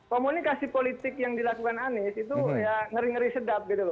komunikasi politik yang dilakukan anies itu ngeri ngeri sedap